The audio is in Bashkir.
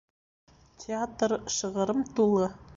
Театр шығырым тулы